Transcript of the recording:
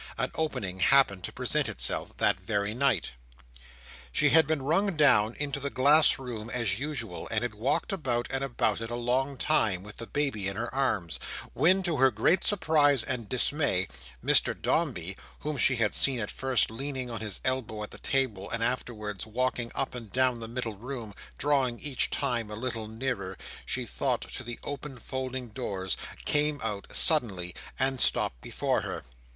An opening happened to present itself that very night. She had been rung down into the glass room as usual, and had walked about and about it a long time, with the baby in her arms, when, to her great surprise and dismay, Mr Dombey—whom she had seen at first leaning on his elbow at the table, and afterwards walking up and down the middle room, drawing, each time, a little nearer, she thought, to the open folding doors—came out, suddenly, and stopped before her.